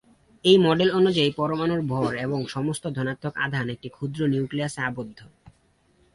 এই মডেল অনুযায়ী পরমাণুর ভর এবং সমস্ত ধনাত্মক আধান একটি ক্ষুদ্র নিউক্লিয়াসে আবদ্ধ।